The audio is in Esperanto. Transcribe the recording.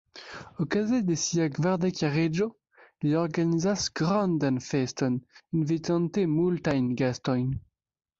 Okaze de sia kvardekjariĝo li organizas grandan feston, invitante multajn gastojn.